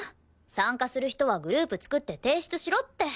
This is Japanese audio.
参加する人はグループ作って提出しろって。